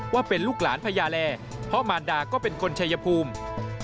ว่าเป็นลูกหลานพญาแร่เพราะมารดาก็เป็นคนชัยภูมิ